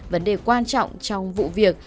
vấn đề quan trọng trong vụ việc